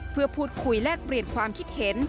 เพื่อพูดคุยแลกเปลี่ยนความคิดเห็น